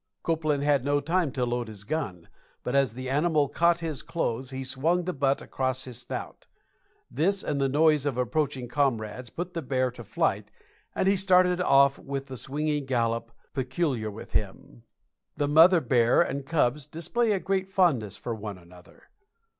Copeland had no time to load his gun, but as the animal caught his clothes, he swung the butt across his snout. This and the noise of approaching comrades put the bear to flight, and he started off with the swinging gallop peculiar with him." The mother bear and cubs display a great fondness for one another.